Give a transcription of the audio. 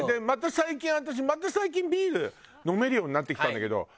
また最近私また最近ビール飲めるようになってきたんだけど。